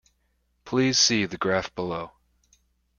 Please see the graph below.